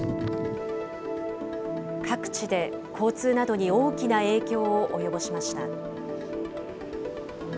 各地で交通などに大きな影響を及ぼしました。